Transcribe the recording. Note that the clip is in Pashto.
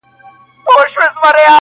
بيا هم وچكالۍ كي له اوبو سره راوتـي يـو~